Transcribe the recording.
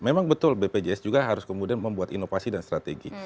memang betul bpjs juga harus kemudian membuat inovasi dan strategi